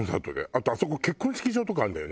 あとあそこ結婚式場とかあるんだよね。